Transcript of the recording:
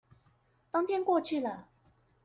冬天過去了